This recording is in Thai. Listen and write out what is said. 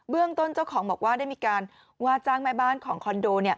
เรื่องต้นเจ้าของบอกว่าได้มีการว่าจ้างแม่บ้านของคอนโด